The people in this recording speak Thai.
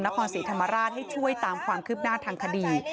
นครศรีธรรมราชให้ช่วยตามความคืบหน้าทางคดี